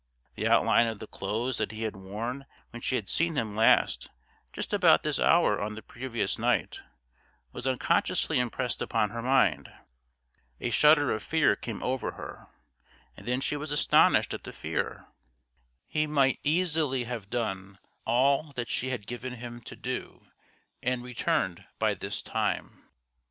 The outline of the clothes that he had worn when she had seen him last just about this hour on the previous night was unconsciously impressed upon her mind. A shudder of fear came over her, and then she was astonished at the fear; he might easily have done all that she had given him to do and returned by this time.